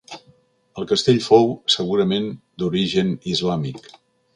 El castell fou, segurament, d'origen islàmic.